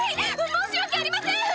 申し訳ありません！